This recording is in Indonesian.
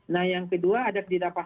nah yang kedua ada